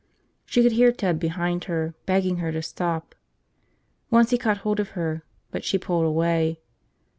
She could hear Ted behind her, begging her to stop. Once he caught hold of her but she pulled away.